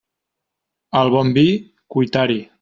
Al bon vi, cuitar-hi.